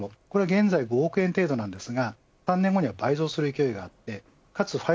これは現在５億円程度ですが３年後には倍増する勢いがあります。